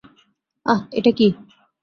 আহ, এটা কী?